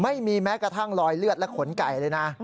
ไม่มีแม้กระทั่งลอยเลือดและขนไก่เลยนะ